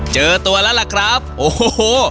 เจอตัวแล้วล่ะครับโอ้โห